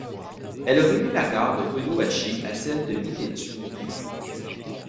Elle relie la gare de Toyohashi à celle de Meitetsu-Gifu.